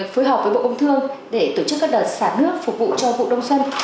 phối hợp với bộ công thương để tổ chức các đợt xả nước phục vụ cho vụ đông xuân